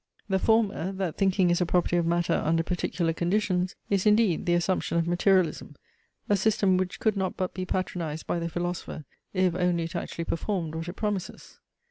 The former that thinking is a property of matter under particular conditions, is, indeed, the assumption of materialism; a system which could not but be patronized by the philosopher, if only it actually performed what it promises.